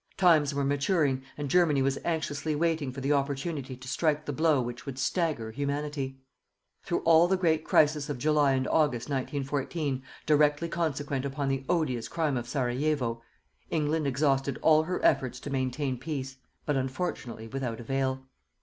Times were maturing and Germany was anxiously waiting for the opportunity to strike the blow which would stagger Humanity. Through all the great crisis of July and August, 1914, directly consequent upon the odious crime of Sarajevo, England exhausted all her efforts to maintain peace, but unfortunately without avail.